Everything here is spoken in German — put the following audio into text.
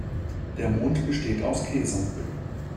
Der Mond besteht aus Käse.